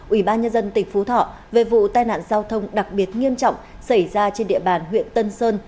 ủy ban nhân dân tỉnh phú thọ về vụ tai nạn giao thông đặc biệt nghiêm trọng xảy ra trên địa bàn huyện tân sơn